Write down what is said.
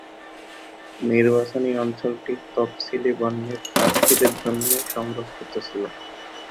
নির্বাচনী অঞ্চলটি তফসিলি বর্ণের প্রার্থীদের জন্য সংরক্ষিত ছিল।